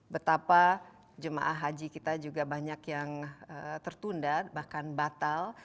betapa jemaah haji kita juga banyak yang tertunda bahkan batal